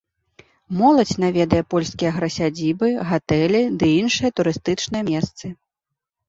Моладзь наведае польскія аграсядзібы, гатэлі ды іншыя турыстычныя месцы.